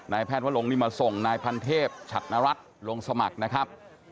แพทย์วลงนี่มาส่งนายพันเทพฉัดนรัฐลงสมัครนะครับ